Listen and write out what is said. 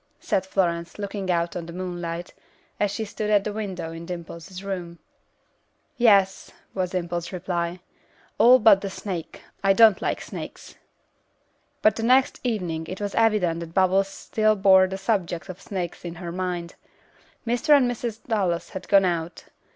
said Florence, looking out on the moonlight, as she stood at the window in Dimple's room. "Yes," was Dimple's reply, "all but the snake. I don't like snakes." But the next evening it was evident that Bubbles still bore the subject of snakes in her mind. Mr. and Mrs. Dallas had gone out.